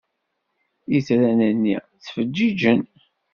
Itran-nni ttfeǧǧiǧen.